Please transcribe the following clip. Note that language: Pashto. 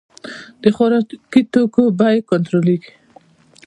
د خوراکي توکو بیې کنټرولیږي